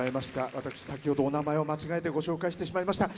私、先ほど、お名前を間違えてご紹介してしまいました。